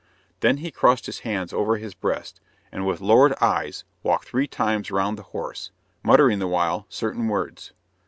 Then he crossed his hands over his breast, and with lowered eyes walked three times round the horse, muttering the while certain words.